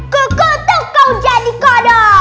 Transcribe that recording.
kukutuk kau jadi kodok